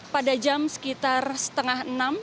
pada jam sekitar setengah enam